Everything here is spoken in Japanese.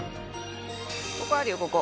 ここあるよ、ここ。